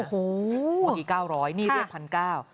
เมื่อกี้๙๐๐บาทนี่เรียก๑๙๐๐บาท